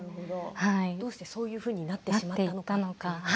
どうしてそういうふうになってしまったのか。